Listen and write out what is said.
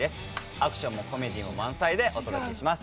アクションもコメディーも満載でお届けします。